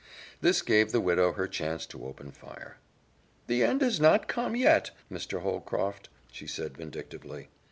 This gave the widow her chance to open fire. "The end has not come yet, Mr. Holcroft," she said vindictively.